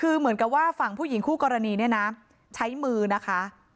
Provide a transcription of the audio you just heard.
แต่จังหวะที่ผ่านหน้าบ้านของผู้หญิงคู่กรณีเห็นว่ามีรถจอดขวางทางจนรถผ่านเข้าออกลำบาก